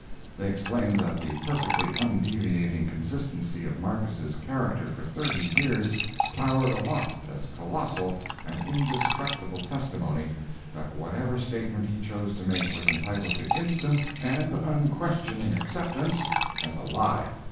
They explained that the perfectly undeviating consistency of Markiss's character for thirty years towered aloft as colossal and indestructible testimony, that whatever statement he chose to make was entitled to instant and unquestioning acceptance as a lie.